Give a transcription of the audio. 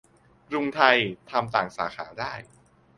- กรุงไทย ทำต่างสาขาได้